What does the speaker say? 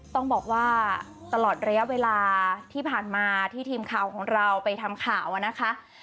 ต้องบอกว่าตลอดระยะเวลาที่ผ่านมาที่ทีมข่าวของเราไปทำข่าวนะคะ